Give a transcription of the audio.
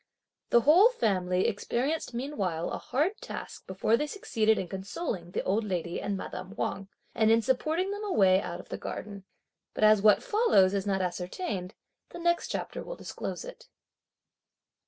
The whole family experienced meanwhile a hard task before they succeeded in consoling the old lady and madame Wang and in supporting them away out of the garden. But as what follows is not ascertained, the next chapter will disclose it.